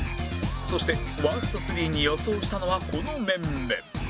そしてワースト３に予想したのはこの面々